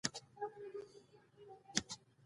ښوروا د یووالي احساس راولي.